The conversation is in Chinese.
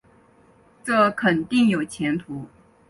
这肯定有前途